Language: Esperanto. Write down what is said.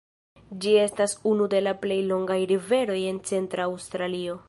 Ĝi estas unu de la plej longaj riveroj en Centra Aŭstralio.